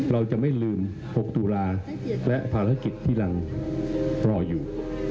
เราจะไม่ลืม๖ตุลาและภารกิจที่เรารออยู่